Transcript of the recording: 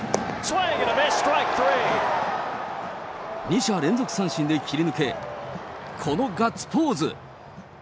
２者連続三振で切り抜け、このガッツポーズ。